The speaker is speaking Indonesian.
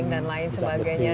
dan lain sebagainya